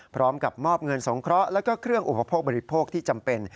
พร้อมกับมอบเงินสงเคราะห์แล้วก็เครื่องอุปโภคบริโภคที่จำเป็น